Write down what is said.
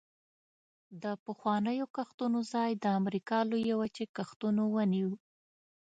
د پخوانیو کښتونو ځای د امریکا لویې وچې کښتونو ونیو